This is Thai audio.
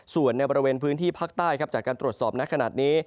ส่วนในบริเวณพื้นที่ภาคใต้ครับจากการตรวจสอบนักขนาดนี้